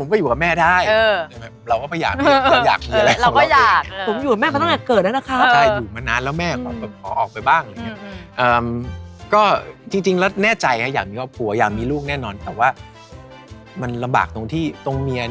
มาทีไล่ตอนแรกแน่ใจแล้วมันก็ยังไง